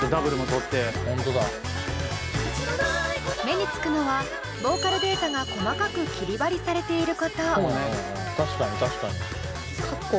目につくのはボーカルデータが細かく切り貼りされていること。